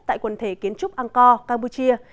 tại quần thể kiến trúc angkor campuchia